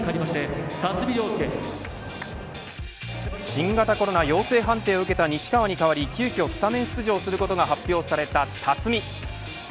新型コロナ陽性判定を受けた西川に代わり急きょスタメン出場することが発表された辰己。